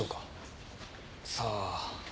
さあ。